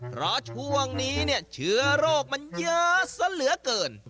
เพราะช่วงนี้เชื้อโรคมันเยอะเสียเหลือเกิน